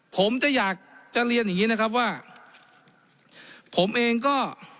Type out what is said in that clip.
ผมจะอยากจะเรียนอย่างงี้นะครับว่าผมเองก็